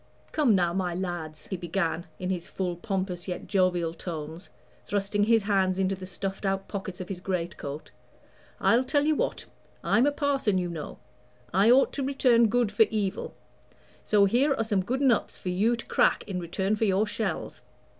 "Come now, my lads," he began, in his full, pompous, yet jovial tones, thrusting his hands into the stuffed out pockets of his greatcoat, "I'll tell you what; I'm a parson you know; I ought to return good for evil. So here are some good nuts for you to crack in return for your shells."